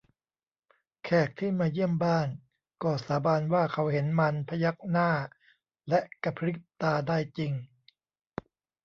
แขกที่มาเยี่ยมบ้านก็สาบานว่าเขาเห็นมันพยักหน้าและกะพริบตาได้จริง